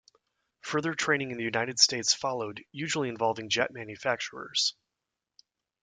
Further training in the United States followed, usually involving jet manufacturers.